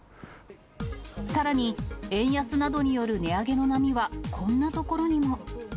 さらに、円安などによる値上げの波は、こんなところにも。